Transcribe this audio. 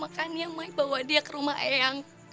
makanya saya bawa dia ke rumah ayah saya